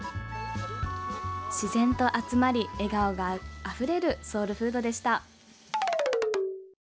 自然と集まり、笑顔があふれるソウルフードでした。